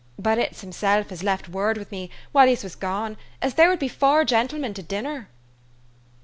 "But it's himself as left word wid me while yez was gone, as there would be four gentlemen to dinner."